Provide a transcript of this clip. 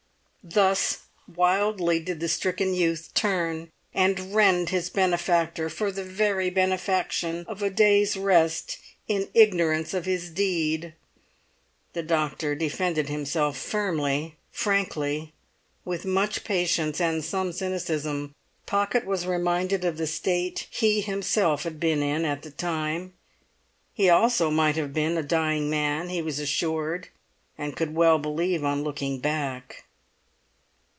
Thus wildly did the stricken youth turn and rend his benefactor for the very benefaction of a day's rest in ignorance of his deed. The doctor defended himself firmly, frankly, with much patience and some cynicism. Pocket was reminded of the state he himself had been in at the time. He also might have been a dying man, he was assured, and could well believe on looking back.